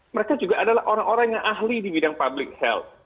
mereka juga adalah orang orang yang ahli di bidang public health